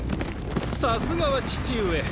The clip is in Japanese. さすがは父上。